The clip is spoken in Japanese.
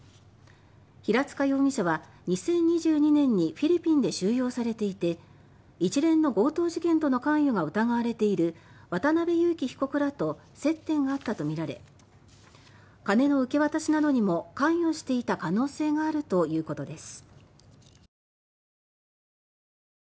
平塚容疑者は２０２２年にフィリピンで収容されていて一連の強盗事件との関与が疑われている渡邉優樹被告らと接点があったとみられ金の受け渡しなどにも関与していた可能性があるということです。